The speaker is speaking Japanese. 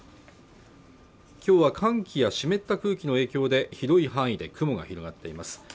今日は寒気や湿った空気の影響で広い範囲で雲が広がっています